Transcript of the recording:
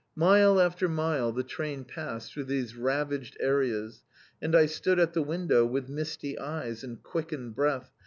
Mile after mile the train passed through these ravaged areas, and I stood at the window with misty eyes and quickened breath?